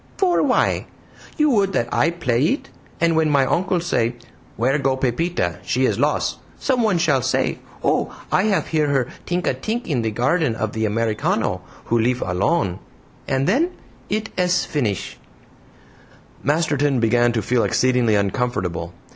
"For why? You would that I PLAY it, and when my uncle say 'Where go Pepita? She is loss,' someone shall say, 'Oh! I have hear her tink a tink in the garden of the Americano, who lif alone.' And then it ess finish!" Masterton began to feel exceedingly uncomfortable.